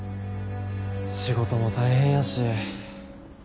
仕事も大変やし。